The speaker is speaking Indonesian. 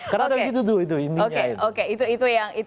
karena ada gitu tuh intinya